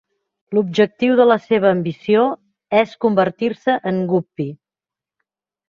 L'objectiu de la seva ambició és convertir-se en Guppy.